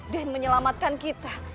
dan menyelamatkan kita